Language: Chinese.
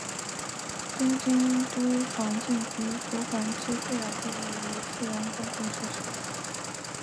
东京都环境局所管之自然公园与自然公园设施。